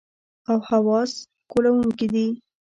او حواس غولونکي دي.